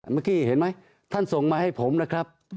เมื่อกี้เห็นไหมท่านส่งมาให้ผมนะครับ